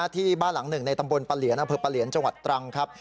ที่บ้านหลังหนึ่งในตำบลปะเหลียนอำเภอปะเหลียนจังหวัดตรังครับ